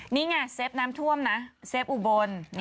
นี่ไงเซฟน้ำท่วมนะเซฟอุบล